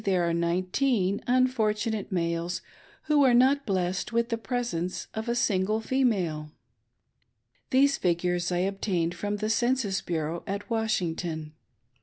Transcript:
6lS tfeere are nineteen Unfortunate males Who are not blessed with the presence of a single female ! These figures I obtained from the Census Bureau at Washington